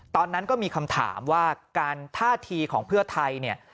ตอนนั้นก็มีคำถามว่าการท่าทีของเพื่อไทยเนี่ย